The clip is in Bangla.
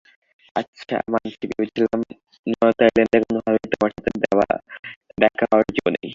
আচ্ছা, মানছি, ভেবেছিলাম নর্থ আইল্যান্ডে কোনোভাবেই তোমার সাথে দেখা হওয়ার জো নেই।